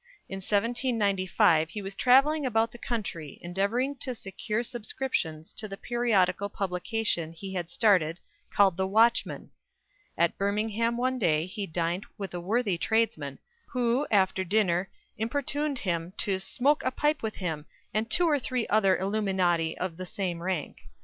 In 1795 he was travelling about the country endeavouring to secure subscriptions to the periodical publication he had started called The Watchman. At Birmingham one day he dined with a worthy tradesman, who, after dinner, importuned him "to smoke a pipe with him, and two or three other illuminati of the same rank."